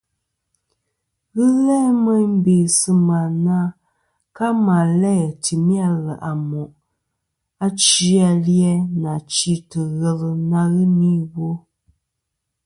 Ghɨ n-læ meyn bè sɨ̂ mà na ka mà læ̂ tìmi aleʼ à mòʼ achi a li-a, nà chîtɨ̀ ghelɨ na ghɨ ni iwo.